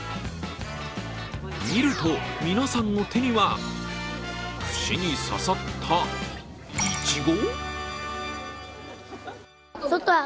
見ると、皆さんの手には串に刺さったいちご？